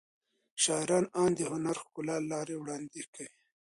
شاعران اند د هنري ښکلا له لارې وړاندې کوي.